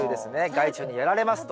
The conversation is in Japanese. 「害虫にやられます」と。